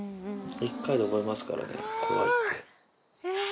一回で覚えますからね。